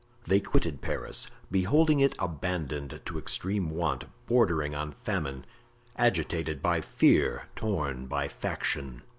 They quitted Paris, beholding it abandoned to extreme want, bordering on famine; agitated by fear, torn by faction.